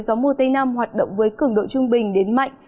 gió mùa tây nam hoạt động với cường độ trung bình đến mạnh